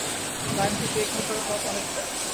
Lime থেকে এখানের পথ অনেকটা।